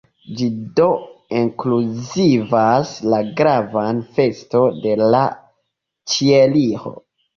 Ĝi do inkluzivas la gravan feston de la Ĉieliro.